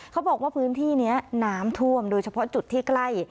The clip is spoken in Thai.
เขาบอกว่าพื้นที่นี้น้ำท่วมโดยเฉพาะจุดที่ใกล้